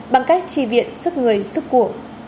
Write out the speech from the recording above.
bằng cách tri viện sức người sức cuộc